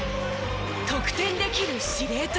得点できる司令塔。